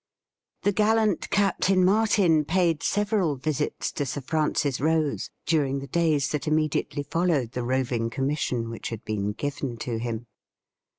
The gallant Captain Martin paid several visits to Sii: Francis Rose diu ing the days that immediately followed the roving commission which had been given to him.